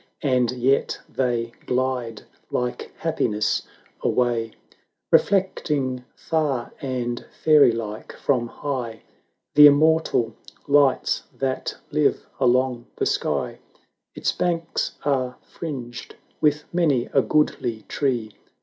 And yet they glide like Happiness away; Reflecting far and fairy like from high The immortal lights that live along the sky: 160 Its banks are fringed with many a goodly tree.